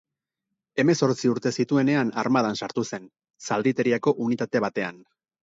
Hemezortzi urte zituenean armadan sartu zen, zalditeriako unitate batean.